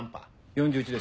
４１です。